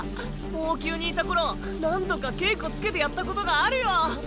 王宮にいたころ何度か稽古つけてやったことがあるよ。